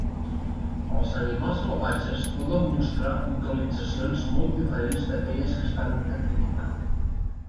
Els animals salvatges poden mostrar vocalitzacions molt diferents d'aquells que estan en captivitat.